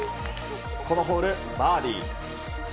このホール、バーディー。